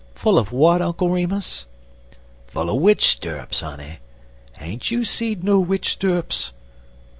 "Full of what, Uncle Remus?" "Full er witch stirrups, honey. Ain't you seed no witch stirrups?